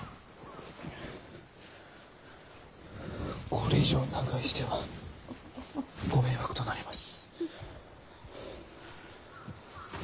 これ以上長居してはご迷惑となります。